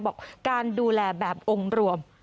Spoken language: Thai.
บอกการดูแลแบบองค์รวม